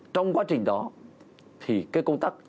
trong quá trình đó thì cái công tác